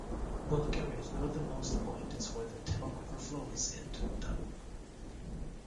Bulgaria's northernmost point is where the Timok River flows into the Danube.